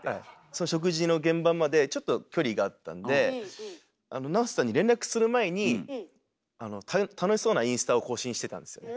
その食事の現場までちょっと距離があったんでＮＡＯＴＯさんに連絡する前に楽しそうなインスタを更新してたんですよね。